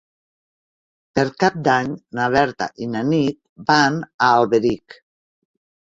Per Cap d'Any na Berta i na Nit van a Alberic.